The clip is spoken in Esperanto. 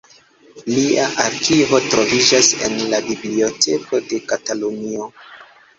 Lia arkivo troviĝas en la Biblioteko de Katalunio.